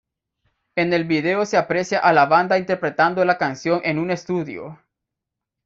En el video se aprecia a la banda interpretando la canción en un estudio.